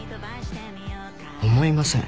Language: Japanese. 思いません。